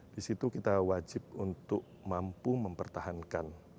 di situ kita wajib untuk mampu mempertahankan